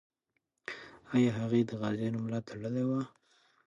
آیا هغې د غازیانو ملا تړلې وه؟